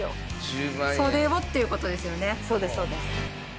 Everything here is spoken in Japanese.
そうですそうです。